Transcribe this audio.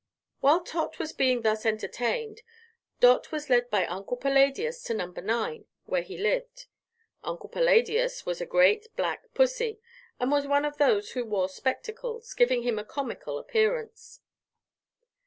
While Tot was being thus entertained, Dot was led by Uncle Palladius to number 9, where he lived. Uncle Palladius was a great black pussy, and was one of those who wore spectacles, giving him a comical appearance.